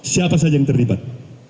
siapa saja yang terlibat